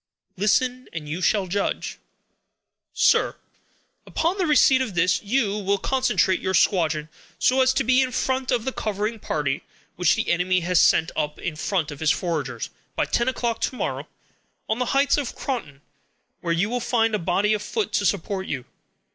"Listen, and you shall judge." "SIR,—Upon the receipt of this, you will concentrate your squadron, so as to be in front of a covering party which the enemy has sent up in front of his foragers, by ten o'clock to morrow, on the heights of Croton, where you will find a body of foot to support you.